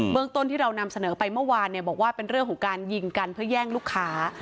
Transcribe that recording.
เมืองต้นที่เรานำเสนอไปเมื่อวานบอกว่าเป็นเรื่องของการยิงกันเพื่อแย่งลูกค้า